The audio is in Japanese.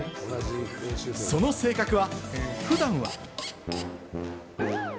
その性格は、普段は。